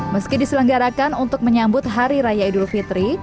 meski diselenggarakan untuk menyambut hari raya idul fitri